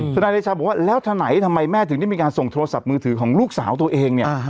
นายเดชาบอกว่าแล้วถ้าไหนทำไมแม่ถึงได้มีการส่งโทรศัพท์มือถือของลูกสาวตัวเองเนี่ย